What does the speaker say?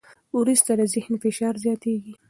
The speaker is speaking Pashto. وروسته د ذهن فشار زیاتېږي.